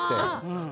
うん。